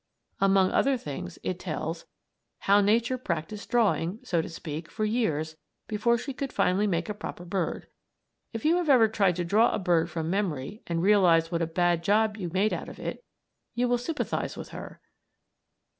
Among other things it tells: How Nature practised drawing so to speak for years before she could finally make a proper bird. (If you have ever tried to draw a bird from memory and realized what a bad job you made out of it, you will sympathize with her.)